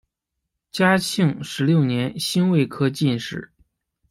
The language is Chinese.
嘉庆十六年辛未科进士。